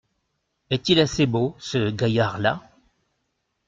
Est-il assez beau, ce gaillard-là ?